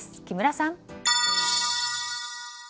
木村さん。